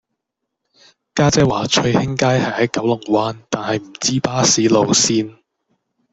家姐話翠興街係喺九龍灣但係唔知巴士路線